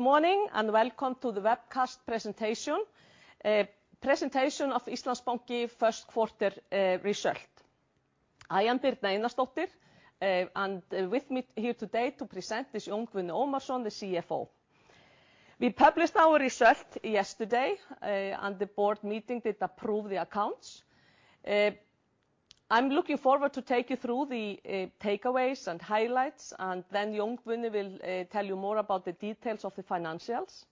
Good morning, and welcome to the webcast presentation of Íslandsbanki first quarter result. I am Birna Einarsdóttir, and with me here today to present is Jón Guðni Ómarsson, the CFO. We published our result yesterday, and the board meeting did approve the accounts. I'm looking forward to take you through the takeaways and highlights and then Jón Guðni will tell you more about the details of the financials.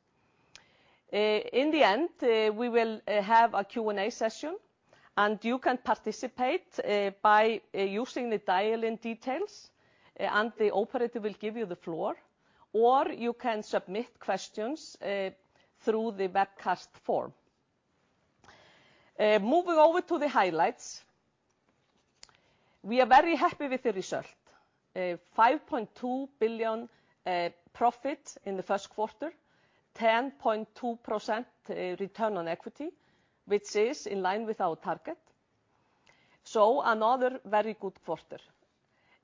In the end, we will have a Q&A session, and you can participate by using the dial-in details, and the operator will give you the floor, or you can submit questions through the webcast form. Moving over to the highlights, we are very happy with the result. 5.2 billion profit in the first quarter, 10.2% return on equity, which is in line with our target, so another very good quarter.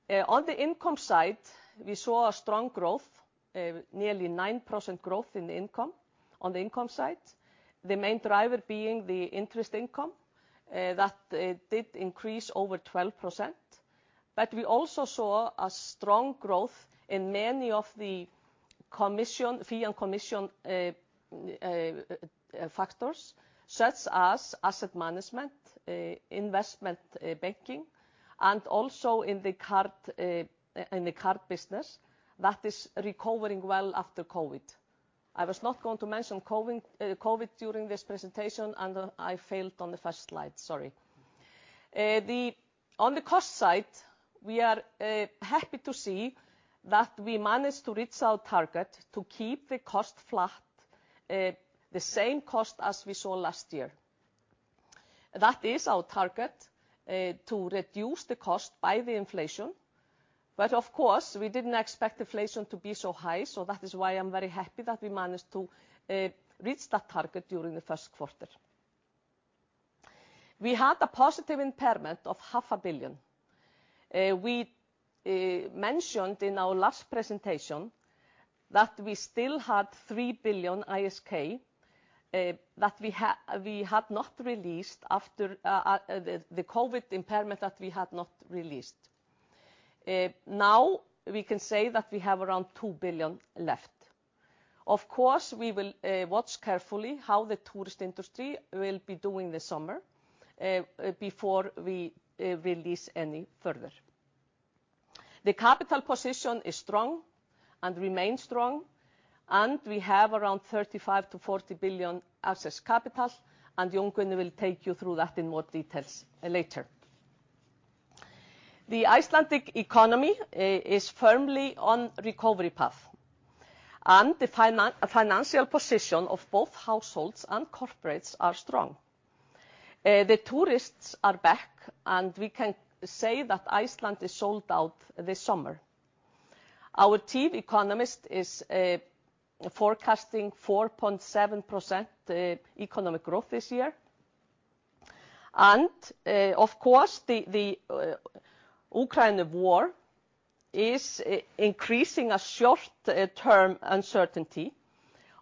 On the income side, we saw a strong growth of nearly 9% growth in the income on the income side, the main driver being the interest income that did increase over 12%. We also saw a strong growth in many of the fee and commission factors, such as asset management, investment banking, and also in the card business that is recovering well after COVID. I was not going to mention COVID during this presentation, and I failed on the first slide. Sorry. The On the cost side, we are happy to see that we managed to reach our target to keep the cost flat, the same cost as we saw last year. That is our target to reduce the cost by the inflation. Of course, we didn't expect inflation to be so high, so that is why I'm very happy that we managed to reach that target during the first quarter. We had a positive impairment of ISK half a billion. We mentioned in our last presentation that we still had 3 billion ISK that we had not released after the COVID impairment that we had not released. Now we can say that we have around 2 billion left. Of course, we will watch carefully how the tourist industry will be doing this summer before we release any further. The capital position is strong and remains strong, and we have around 35 billion-40 billion excess capital, and Jón Guðni will take you through that in more details later. The Icelandic economy is firmly on recovery path, and the financial position of both households and corporates are strong. The tourists are back, and we can say that Iceland is sold out this summer. Our chief economist is forecasting 4.7% economic growth this year. Of course, the Ukraine war is increasing short-term uncertainty,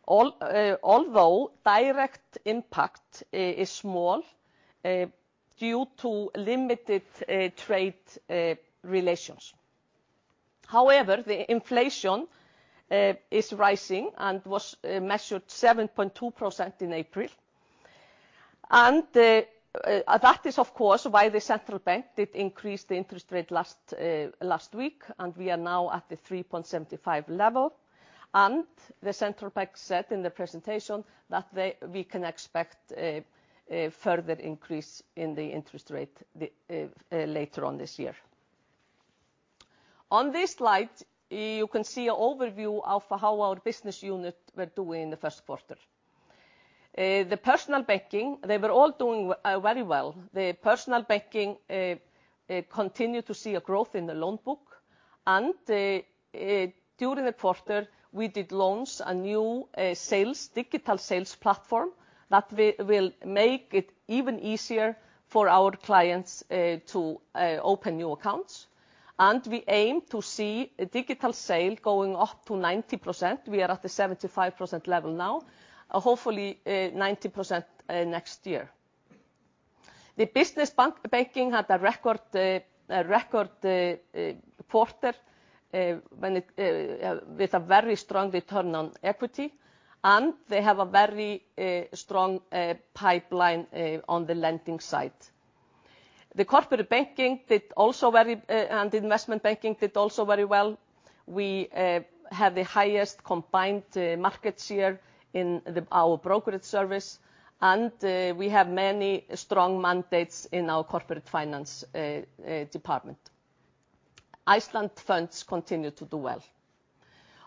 although direct impact is small due to limited trade relations. However, the inflation is rising and was measured 7.2% in April. That is, of course, why the Central Bank did increase the interest rate last week, and we are now at the 3.75% level. The Central Bank said in the presentation that we can expect a further increase in the interest rate later on this year. On this slide, you can see an overview of how our business units were doing in the first quarter. The personal banking, they were all doing very well. The personal banking continued to see a growth in the loan book, and during the quarter, we did launch a new digital sales platform that will make it even easier for our clients to open new accounts. We aim to see digital sales going up to 90%. We are at the 75% level now. Hopefully, 90% next year. The business banking had a record quarter with a very strong return on equity, and they have a very strong pipeline on the lending side. The corporate banking did also very well, and investment banking did also very well. We have the highest combined market share in our brokerage service, and we have many strong mandates in our corporate finance department. Iceland Funds continue to do well.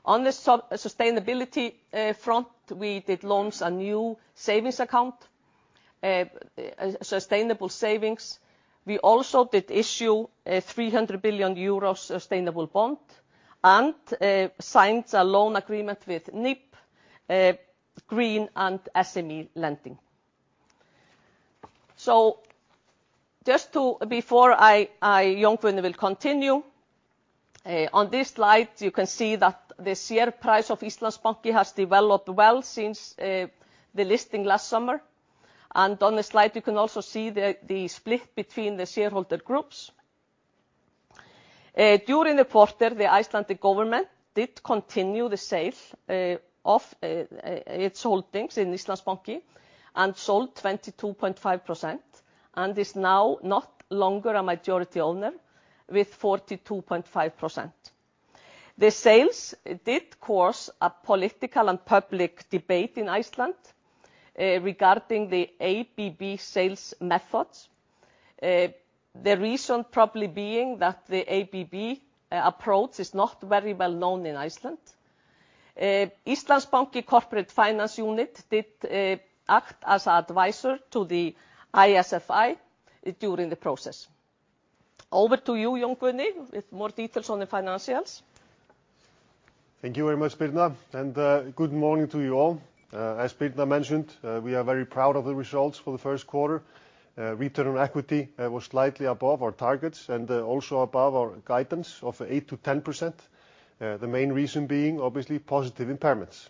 On the sustainability front, we did launch a new savings account, Sustainable Savings. We also did issue a 300 billion euro sustainable bond and signed a loan agreement with NIB, green and SME lending. Jón Guðni will continue on this slide. You can see that the share price of Íslandsbanki has developed well since the listing last summer. On this slide, you can also see the split between the shareholder groups. During the quarter, the Icelandic government did continue the sale of its holdings in Íslandsbanki and sold 22.5% and is now no longer a majority owner with 42.5%. The sales did cause a political and public debate in Iceland regarding the ABB sales methods. The reason probably being that the ABB approach is not very well known in Iceland. Íslandsbanki Corporate Finance unit did act as advisor to the ISFI during the process. Over to you, Jón Guðni, with more details on the financials. Thank you very much, Birna, and good morning to you all. As Birna mentioned, we are very proud of the results for the first quarter. Return on equity was slightly above our targets and also above our guidance of 8%-10%. The main reason being obviously positive impairments.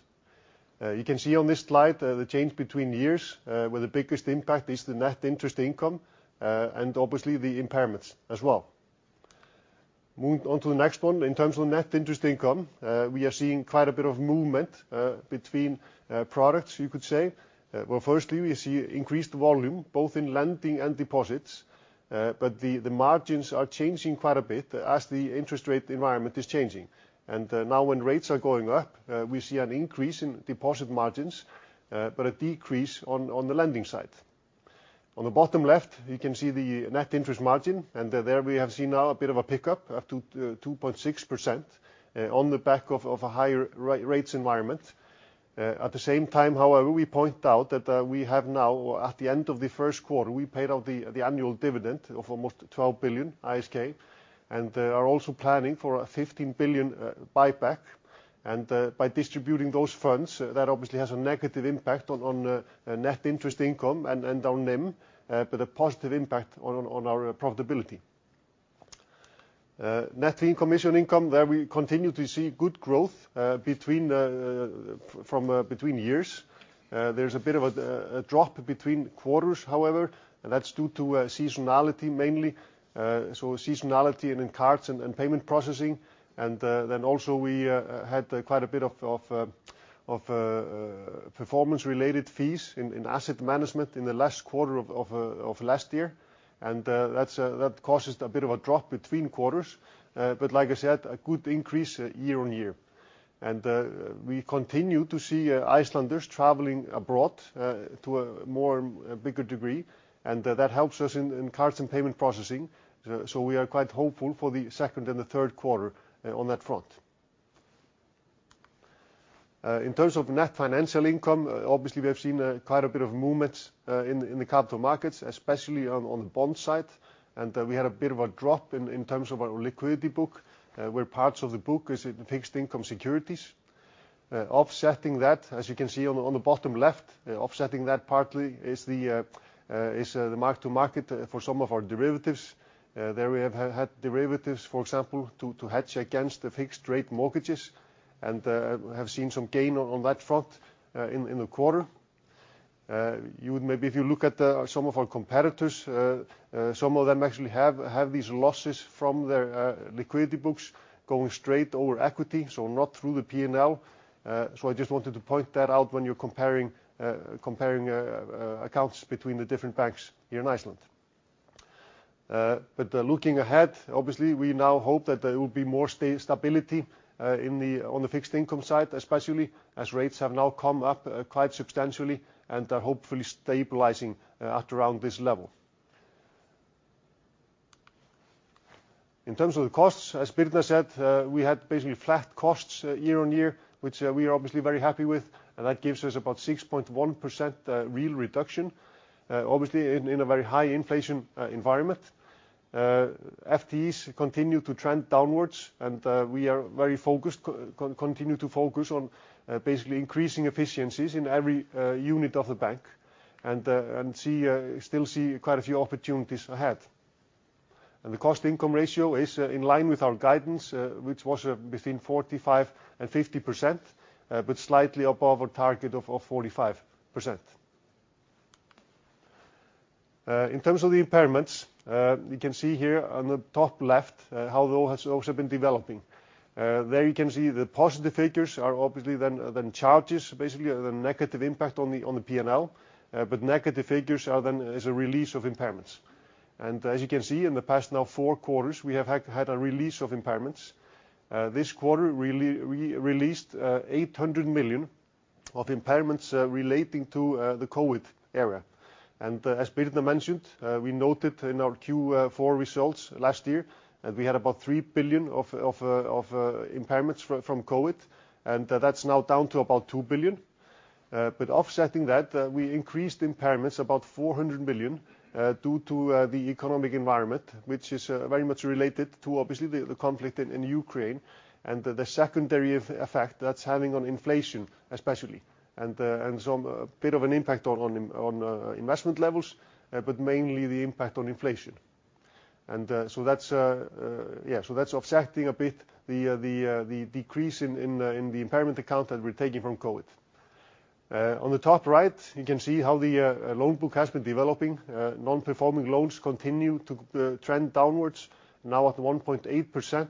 You can see on this slide the change between years, where the biggest impact is the net interest income and obviously the impairments as well. Moving on to the next one. In terms of net interest income, we are seeing quite a bit of movement between products, you could say. Well, firstly, we see increased volume both in lending and deposits, but the margins are changing quite a bit as the interest rate environment is changing. Now when rates are going up, we see an increase in deposit margins, but a decrease on the lending side. On the bottom left, you can see the net interest margin, and there we have seen now a bit of a pickup to 2.6% on the back of a higher rates environment. At the same time, however, we point out that we have now, at the end of the first quarter, paid out the annual dividend of almost 12 billion ISK and are also planning for a 15 billion buyback. By distributing those funds, that obviously has a negative impact on net interest income and our NIM, but a positive impact on our profitability. Net fee and commission income, there we continue to see good growth between years. There's a bit of a drop between quarters, however. That's due to seasonality mainly, so seasonality in cards and payment processing. Then also we had quite a bit of performance-related fees in asset management in the last quarter of last year. That causes a bit of a drop between quarters. Like I said, a good increase year-on-year. We continue to see Icelanders traveling abroad to a bigger degree, and that helps us in cards and payment processing. We are quite hopeful for the second and the third quarter on that front. In terms of net financial income, obviously we have seen quite a bit of movement in the capital markets, especially on the bond side. We had a bit of a drop in terms of our liquidity book, where parts of the book is in fixed income securities. Offsetting that, as you can see on the bottom left, offsetting that partly is the mark-to-market for some of our derivatives. There we have had derivatives, for example, to hedge against the fixed rate mortgages and have seen some gain on that front in the quarter. You would maybe if you look at some of our competitors, some of them actually have these losses from their liquidity books going straight over equity, so not through the P&L. I just wanted to point that out when you're comparing accounts between the different banks here in Iceland. Looking ahead, obviously, we now hope that there will be more stability on the fixed income side, especially as rates have now come up quite substantially and are hopefully stabilizing at around this level. In terms of the costs, as Birna said, we had basically flat costs year-on-year, which we are obviously very happy with, and that gives us about 6.1% real reduction, obviously in a very high inflation environment. FTEs continue to trend downwards and we are very focused, continue to focus on basically increasing efficiencies in every unit of the bank and still see quite a few opportunities ahead. The cost income ratio is in line with our guidance, which was between 45% and 50%, but slightly above our target of 45%. In terms of the impairments, you can see here on the top left how those have been developing. There you can see the positive figures are obviously then charges, basically the negative impact on the P&L. But negative figures are then as a release of impairments. As you can see, in the past now 4 quarters, we have had a release of impairments. This quarter released 800 million of impairments relating to the COVID era. As Birna mentioned, we noted in our Q4 results last year that we had about 3 billion of impairments from COVID, and that's now down to about 2 billion. Offsetting that, we increased impairments about 400 million due to the economic environment, which is very much related to obviously the conflict in Ukraine and the secondary effect that's having on inflation especially and some bit of an impact on investment levels, but mainly the impact on inflation. So that's offsetting a bit the decrease in the impairment account that we're taking from COVID. On the top right, you can see how the loan book has been developing. Non-performing loans continue to trend downwards, now at 1.8%,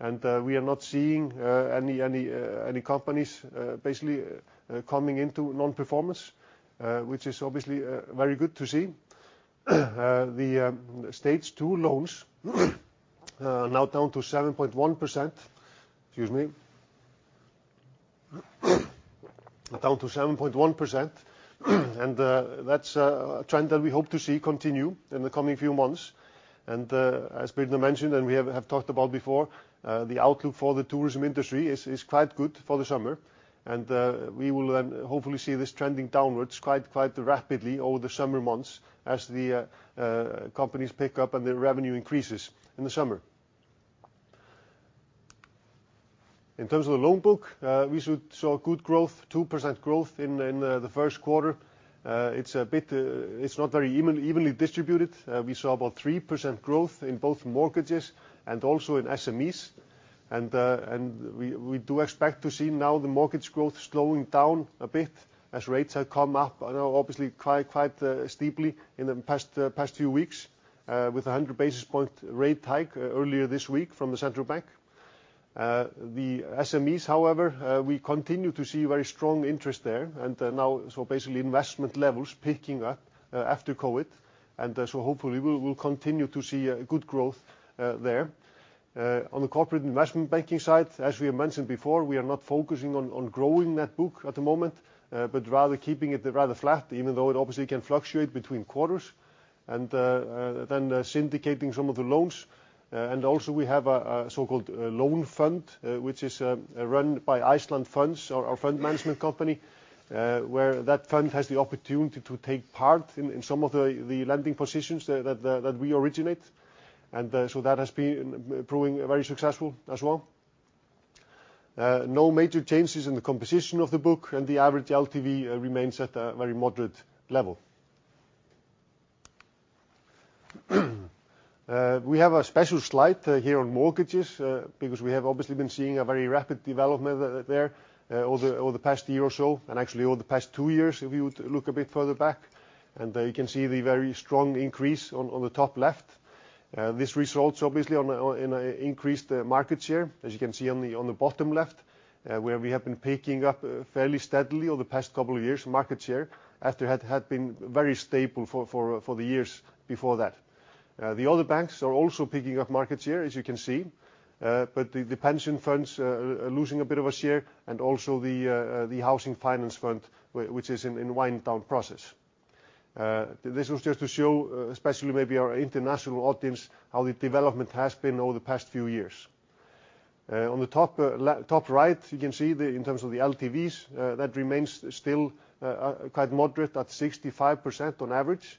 and we are not seeing any companies basically coming into non-performance, which is obviously very good to see. The stage two loans now down to 7.1%. Excuse me. Down to 7.1%. That's a trend that we hope to see continue in the coming few months. As Birna mentioned, and we have talked about before, the outlook for the tourism industry is quite good for the summer. We will hopefully see this trending downwards quite rapidly over the summer months as the companies pick up and their revenue increases in the summer. In terms of the loan book, we saw good growth, 2% growth in the first quarter. It's a bit, not very evenly distributed. We saw about 3% growth in both mortgages and also in SMEs. We do expect to see now the mortgage growth slowing down a bit as rates have come up, obviously quite steeply in the past few weeks, with a 100 basis point rate hike earlier this week from the central bank. The SMEs, however, we continue to see very strong interest there. Now, so basically investment levels picking up after COVID. Hopefully we will continue to see a good growth there. On the corporate investment banking side, as we have mentioned before, we are not focusing on growing that book at the moment, but rather keeping it rather flat, even though it obviously can fluctuate between quarters then syndicating some of the loans. Also we have a so-called loan fund which is run by Iceland Funds, our fund management company, where that fund has the opportunity to take part in some of the lending positions that we originate. That has been proving very successful as well. No major changes in the composition of the book, and the average LTV remains at a very moderate level. We have a special slide here on mortgages because we have obviously been seeing a very rapid development there over the past year or so, and actually over the past two years, if you would look a bit further back. You can see the very strong increase on the top left. This results obviously in an increased market share, as you can see on the bottom left, where we have been picking up fairly steadily over the past couple of years market share, after it had been very stable for the years before that. The other banks are also picking up market share, as you can see. The pension funds are losing a bit of a share and also the Housing Financing Fund which is in wind-down process. This was just to show, especially maybe our international audience, how the development has been over the past few years. On the top right, you can see in terms of the LTVs that remains still quite moderate at 65% on average.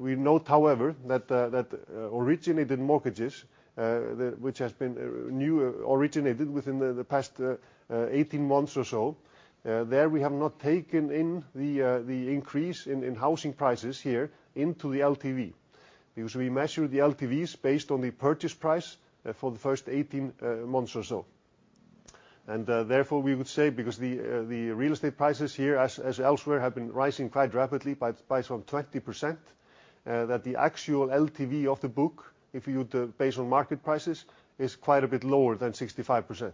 We note, however, that originated mortgages, the which has been newly originated within the past 18 months or so, there we have not taken in the increase in housing prices here into the LTV. Because we measure the LTVs based on the purchase price for the first 18 months or so. Therefore, we would say because the real estate prices here, as elsewhere, have been rising quite rapidly by some 20%, that the actual LTV of the book, if you would base on market prices, is quite a bit lower than 65%.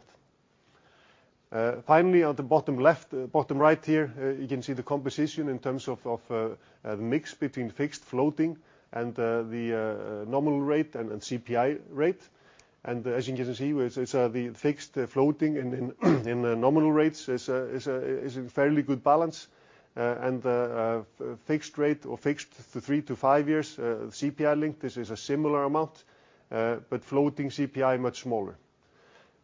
Finally, on the bottom left, bottom right here, you can see the composition in terms of the mix between fixed floating and the nominal rate and CPI rate. As you can see, it's the fixed floating in nominal rates is in fairly good balance. The fixed rate or fixed 3-5 years, CPI linked, this is a similar amount. But floating CPI much smaller.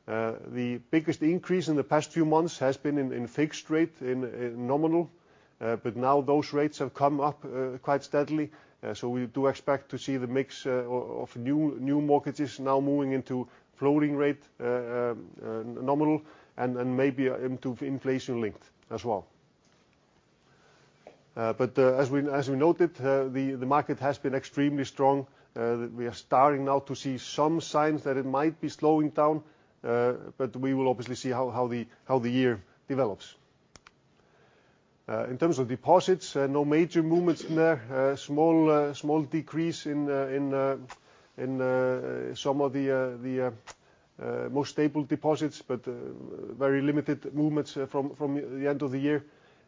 The biggest increase in the past few months has been in fixed rate, in nominal, but now those rates have come up quite steadily, so we do expect to see the mix of new mortgages now moving into floating rate, nominal and maybe into inflation linked as well. As we noted, the market has been extremely strong, we are starting now to see some signs that it might be slowing down, but we will obviously see how the year develops. In terms of deposits, no major movements in there. Small decrease in some of the more stable deposits, but very limited movements from the end of the year.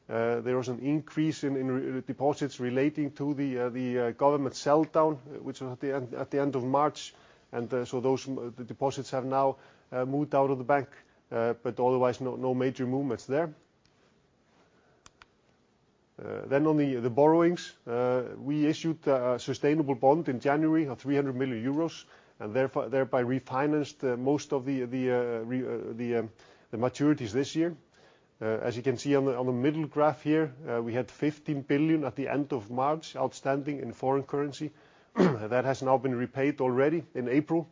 There was an increase in deposits relating to the government sell-down, which was at the end of March. Those deposits have now moved out of the bank, but otherwise, no major movements there. On the borrowings, we issued a sustainable bond in January of 300 million euros, and therefore, thereby refinanced most of the maturities this year. As you can see on the middle graph here, we had 15 billion at the end of March outstanding in foreign currency. That has now been repaid already in April.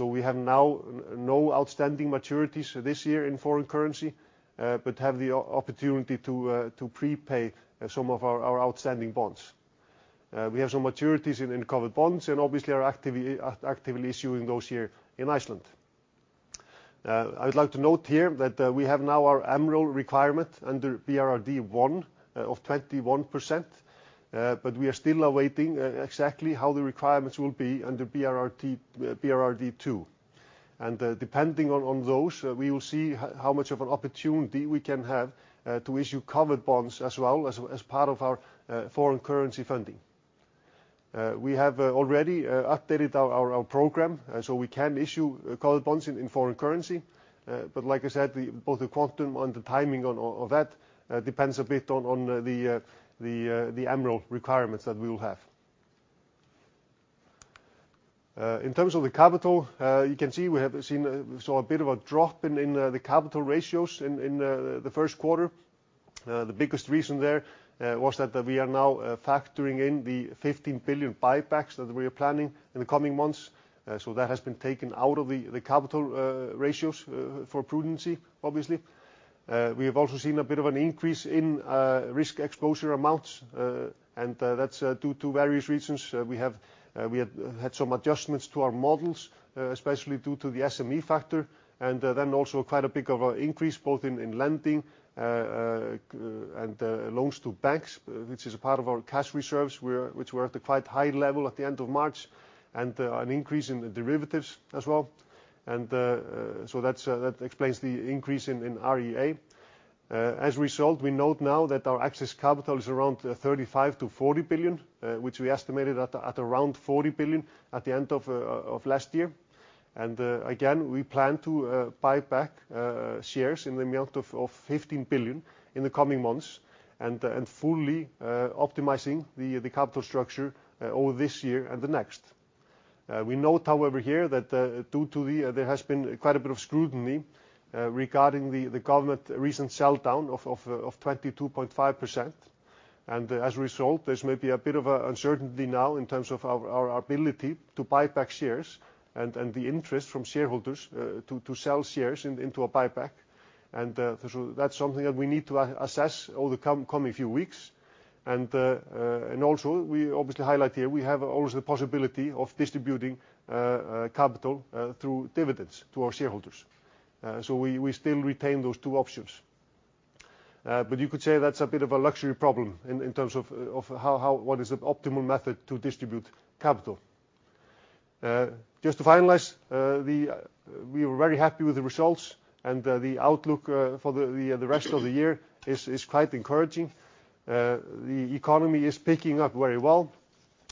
We have now no outstanding maturities this year in foreign currency, but have the opportunity to prepay some of our outstanding bonds. We have some maturities in covered bonds and obviously are actively issuing those here in Iceland. I would like to note here that we have now our MREL requirement under BRRD I of 21%. We are still awaiting exactly how the requirements will be under BRRD II. Depending on those, we will see how much of an opportunity we can have to issue covered bonds as well as part of our foreign currency funding. We have already updated our program so we can issue covered bonds in foreign currency. Like I said, both the quantum and the timing of that depends a bit on the MREL requirements that we will have. In terms of the capital, you can see we saw a bit of a drop in the capital ratios in the first quarter. The biggest reason there was that we are now factoring in the 15 billion buybacks that we are planning in the coming months. That has been taken out of the capital ratios for prudency, obviously. We have also seen a bit of an increase in risk exposure amounts. That's due to various reasons. We had some adjustments to our models, especially due to the SME factor, and then also quite a bit of an increase both in lending and loans to banks, which is a part of our cash reserves. Which were at a quite high level at the end of March, and an increase in the derivatives as well. So that explains the increase in REA. As a result, we note now that our excess capital is around 35 billion-40 billion, which we estimated at around 40 billion at the end of last year. Again, we plan to buy back shares in the amount of 15 billion in the coming months and fully optimizing the capital structure over this year and the next. We note, however, here that there has been quite a bit of scrutiny regarding the government recent sell down of 22.5%. As a result, there's maybe a bit of an uncertainty now in terms of our ability to buy back shares and the interest from shareholders to sell shares into a buyback. Also we obviously highlight here we have always the possibility of distributing capital through dividends to our shareholders. So we still retain those two options. But you could say that's a bit of a luxury problem in terms of what is the optimal method to distribute capital. Just to finalize, we were very happy with the results, and the outlook for the rest of the year is quite encouraging. The economy is picking up very well,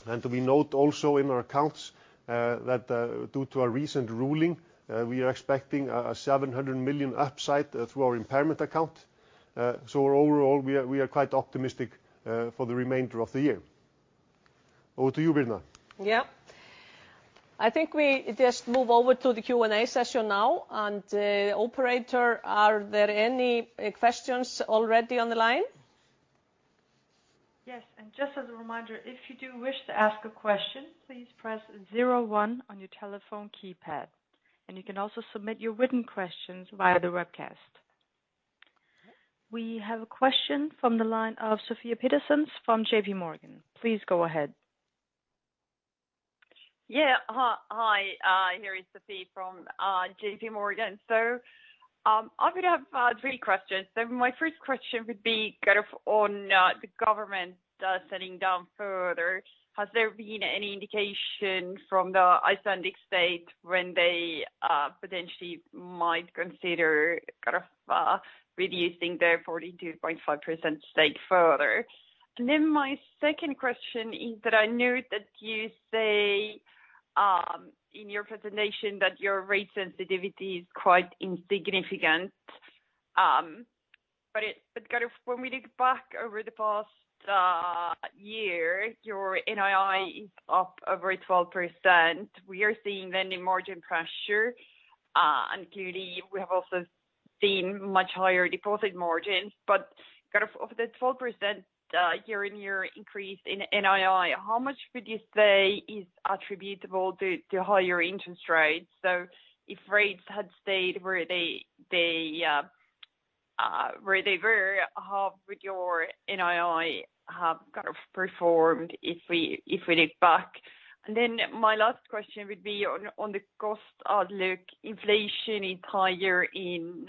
and we note also in our accounts that due to a recent ruling we are expecting a 700 million upside through our impairment account. Overall, we are quite optimistic for the remainder of the year. Over to you, Birna. I think we just move over to the Q&A session now. Operator, are there any questions already on the line? Yes. Just as a reminder, if you do wish to ask a question, please press zero one on your telephone keypad. You can also submit your written questions via the webcast. We have a question from the line of Sofie Peterzens from J.P. Morgan. Please go ahead. Hi. Here is Sofie from J.P. Morgan. I would have three questions. My first question would be kind of on the government selling down further. Has there been any indication from the Icelandic state when they potentially might consider kind of reducing their 42.5% stake further? And then my second question is that I note that you say in your presentation that your rate sensitivity is quite insignificant. But kind of when we look back over the past year, your NII is up over 12%. We are seeing lending margin pressure, and clearly we have also seen much higher deposit margins. But kind of of the 12% year-on-year increase in NII, how much would you say is attributable to higher interest rates? If rates had stayed where they were, how would your NII have kind of performed if we look back? Then my last question would be on the cost outlook. Inflation is higher in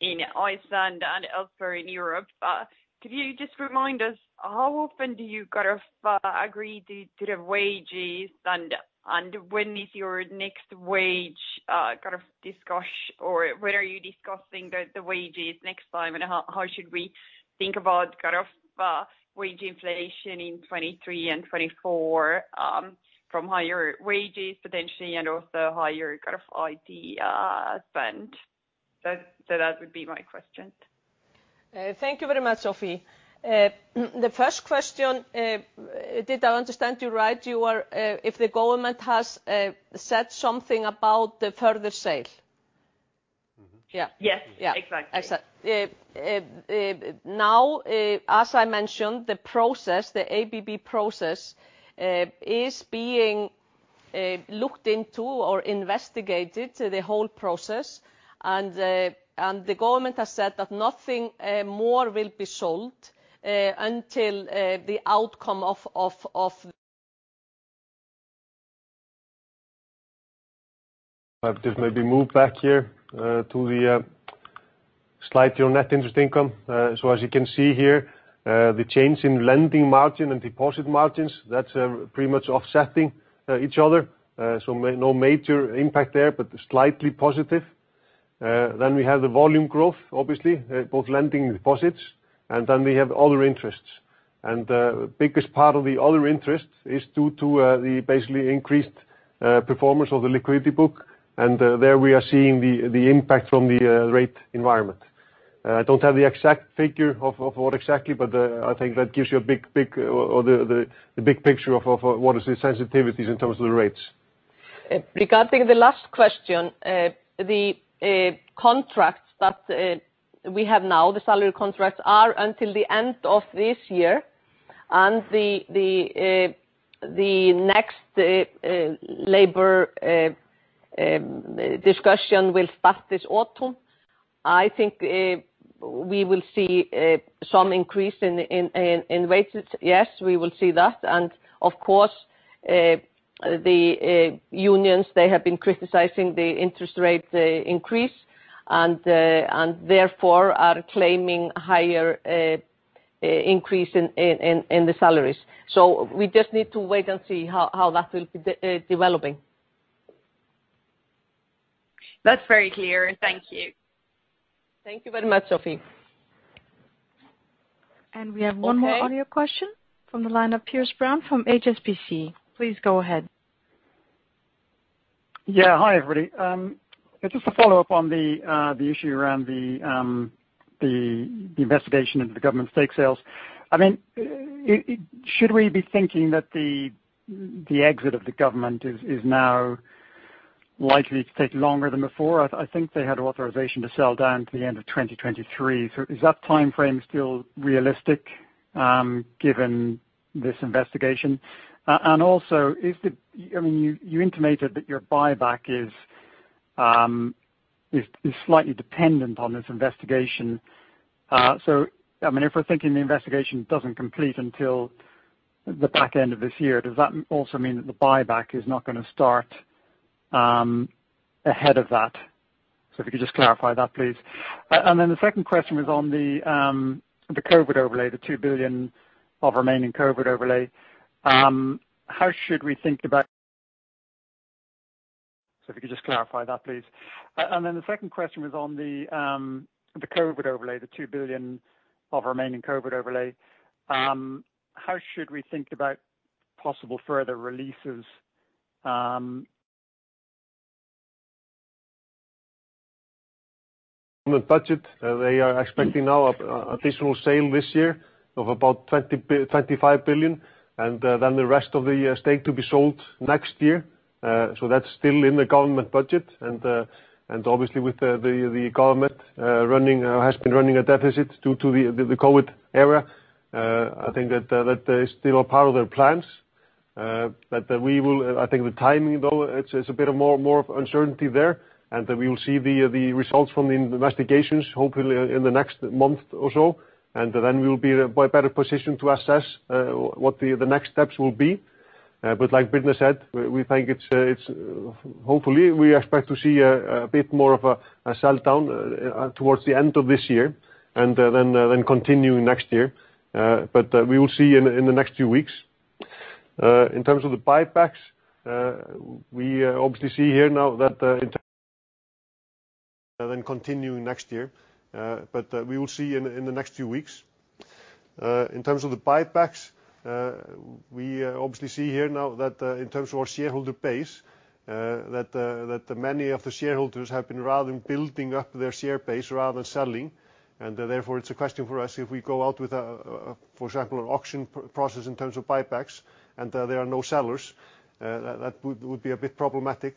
Iceland and elsewhere in Europe. Could you just remind us how often do you kind of agree to the wages and when is your next wage discussion or when are you discussing the wages next time, and how should we think about kind of wage inflation in 2023 and 2024 from higher wages potentially and also higher kind of IT spend? That would be my questions. Thank you very much, Sofie. The first question, did I understand you right? You are, if the government has said something about the further sale? Yes. Exactly. Now, as I mentioned, the process, the ABB process, is being looked into or investigated, the whole process. The government has said that nothing more will be sold until the outcome of. I'll just maybe move back here to the slide to your net interest income. So as you can see here, the change in lending margin and deposit margins, that's pretty much offsetting each other. So no major impact there, but slightly positive. Then we have the volume growth, obviously, both lending deposits, and then we have other interests. The biggest part of the other interest is due to the basically increased performance of the liquidity book, and there we are seeing the impact from the rate environment. I don't have the exact figure of what exactly, but I think that gives you the big picture of what is the sensitivities in terms of the rates. Regarding the last question, the contracts that we have now, the salary contracts are until the end of this year and the next labor discussion will start this autumn. I think we will see some increase in wages. Yes, we will see that. Of course, the unions, they have been criticizing the interest rate increase and therefore are claiming higher increase in the salaries. We just need to wait and see how that will be developing. That's very clear. Thank you. Thank you very much, Sofie. We have one more audio question from the line of Piers Brown from HSBC. Please go ahead. Hi, everybody. Just to follow up on the issue around the investigation into the government stake sales. I mean, should we be thinking that the exit of the government is now likely to take longer than before? I think they had authorization to sell down to the end of 2023. Is that timeframe still realistic, given this investigation? And also, I mean, you intimated that your buyback is slightly dependent on this investigation. I mean, if we're thinking the investigation doesn't complete until the back end of this year, does that also mean that the buyback is not gonna start ahead of that? If you could just clarify that, please. The second question was on the COVID overlay, the 2 billion of remaining COVID overlay. How should we think about possible further releases? If you could just clarify that, please. The budget, they are expecting now an additional sale this year of about 25 billion and then the rest of the estate to be sold next year. That's still in the government budget and obviously the government has been running a deficit due to the COVID era. I think that is still a part of their plans. I think the timing, though, it's a bit more uncertainty there, and we will see the results from the investigations hopefully in the next month or so, and then we'll be better positioned to assess what the next steps will be. Like Birna said, we think it's Hopefully we expect to see a bit more of a sell down towards the end of this year and then continue next year. We will see in the next few weeks. In terms of the buybacks, we obviously see here now that in terms of our shareholder base, that many of the shareholders have been building up their share base rather than selling. Therefore it's a question for us if we go out with, for example, an auction process in terms of buybacks and there are no sellers, that would be a bit problematic.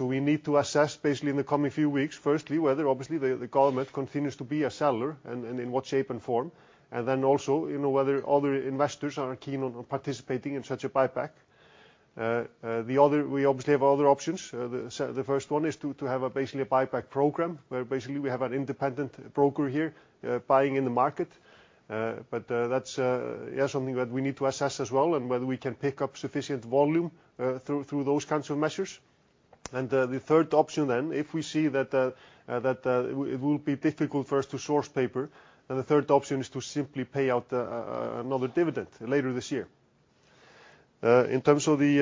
We need to assess basically in the coming few weeks, firstly, whether obviously the government continues to be a seller and in what shape and form. You know, whether other investors are keen on participating in such a buyback. We obviously have other options. The first one is to have basically a buyback program, where basically we have an independent broker here, buying in the market. That's something that we need to assess as well and whether we can pick up sufficient volume through those kinds of measures. The third option, if we see that it will be difficult for us to source paper, is to simply pay out another dividend later this year. In terms of the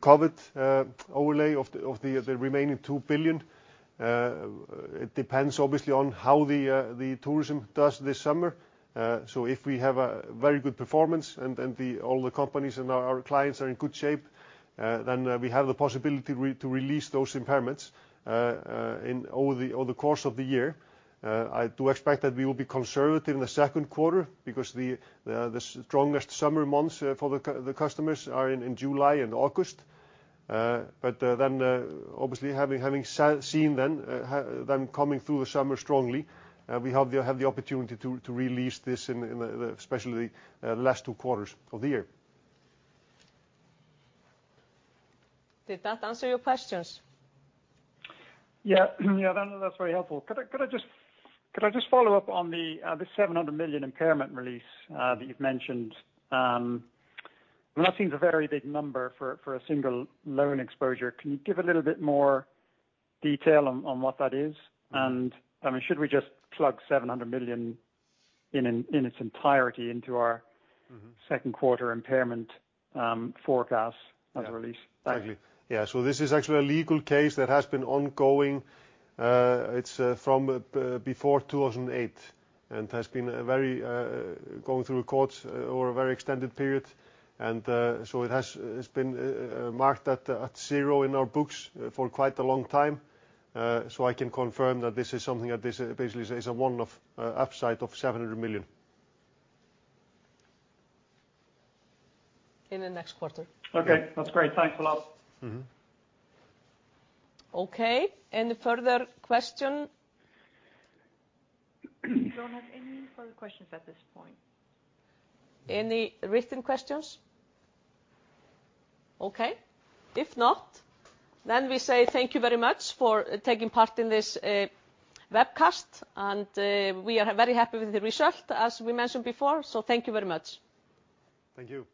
COVID overlay of the remaining 2 billion, it depends obviously on how the tourism does this summer. If we have a very good performance and all the companies and our clients are in good shape, then we have the possibility to release those impairments over the course of the year. I do expect that we will be conservative in the second quarter because the strongest summer months for the customers are in July and August. Obviously having seen them coming through the summer strongly, we have the opportunity to release this in the especially last two quarters of the year. Did that answer your questions? That's very helpful. Could I just follow up on the 700 million impairment release that you've mentioned? That seems a very big number for a single loan exposure. Can you give a little bit more detail on what that is? I mean, should we just plug 700 million in its entirety into our- Second quarter impairment forecast. as a release. Thank you. Thank you. This is actually a legal case that has been ongoing. It's from before 2008 and has been going through courts over a very extended period. It's been marked at zero in our books for quite a long time. I can confirm that this basically is a one-off upside of 700 million. In the next quarter. Okay. That's great. Thanks a lot. Okay. Any further question? Don't have any further questions at this point. Any written questions? Okay. If not, then we say thank you very much for taking part in this webcast. We are very happy with the result, as we mentioned before. Thank you very much. Thank you.